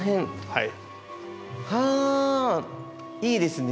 はい。